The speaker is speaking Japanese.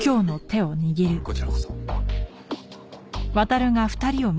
こちらこそ。